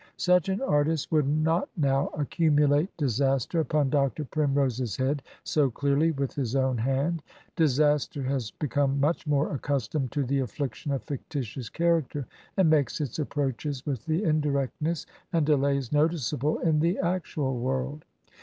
Such an artist would not now accumulate disaster upon Dr. Primrose's head so clearly with his own hand; disaster has become much more accustomed to the afiliction of fictitious character and makes its ap proaches with the indirectness and delays noticeable in the actual world.